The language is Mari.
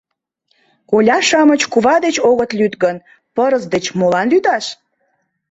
Коля-шамыч кува деч огыт лӱд гын, пырыс деч молан лӱдаш?